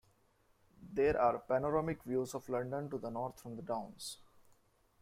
There are panoramic views of London to the north from the Downs.